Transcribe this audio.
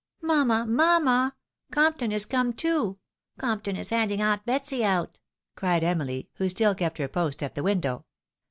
"Mairana! mamma! Compton is come too! Compton is handing aunt Betsy out !" cried EmUy, who still kept her post at the window.